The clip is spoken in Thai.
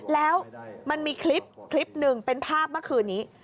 แล้วมันมีคลิปคลิปหนึ่งเป็นภาพเมื่อคืนนี้